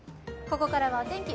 ここからはお天気